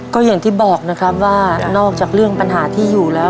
ก็อย่างที่บอกนะครับว่านอกจากเรื่องปัญหาที่อยู่แล้ว